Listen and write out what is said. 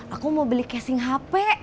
aku mau beli casing hp